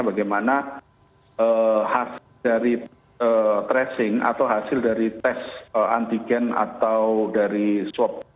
bagaimana hasil dari tracing atau hasil dari tes antigen atau dari swab